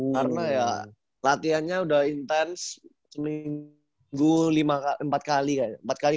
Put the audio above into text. karena ya latihannya udah intens seminggu empat kali